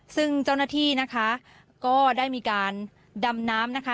ซึ่งเจ้าหน้าที่นะคะก็ได้มีการดำน้ำนะคะ